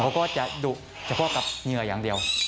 เขาก็จะดุเฉพาะกับเหงื่ออย่างเดียว